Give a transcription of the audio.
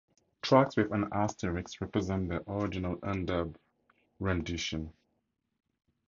Tracks with an asterisk represent their original undubbed renditions.